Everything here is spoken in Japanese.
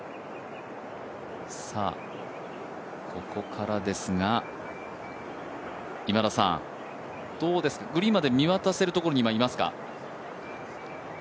ここからですが、今田さん、どうですか、グリーンまで見渡せるところにいますか？